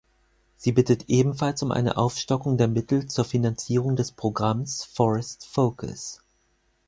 Sie bittet ebenfalls um eine Aufstockung der Mittel zur Finanzierung des Programms Forest Focus.